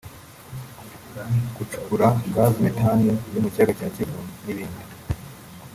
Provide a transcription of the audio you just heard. gucukura gazi methane yo mu kiyaga cya Kivu n’ibindi